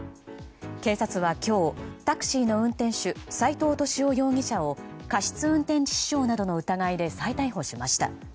警察は今日、タクシーの運転手斉藤敏夫容疑者を過失運転致死傷などの疑いで再逮捕しました。